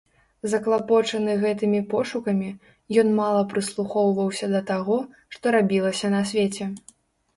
Заклапочаны гэтымі пошукамі, ён мала прыслухоўваўся да таго, што рабілася на свеце.